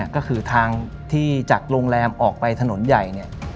ก็คือทางที่จากโรงแรมออกไปถนนใหญ่เนี่ย